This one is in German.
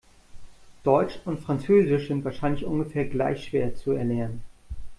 Deutsch und Französisch sind wahrscheinlich ungefähr gleich schwer zu erlernen.